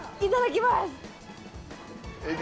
いただきます！